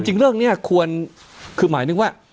จริงเรื่องนี้ควรคือหมายถึงว่า